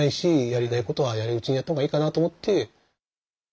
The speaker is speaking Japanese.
やりたいことはやれるうちにやったほうがいいかなと思って。